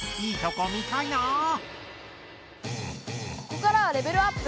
ここからはレベルアップ！